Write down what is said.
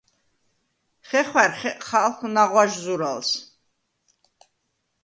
ხეხვა̈რ ხეყხალხ ნაღვაჟ ზურალს.